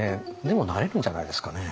でもなれるんじゃないですかね。